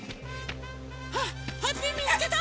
ハッピーみつけた！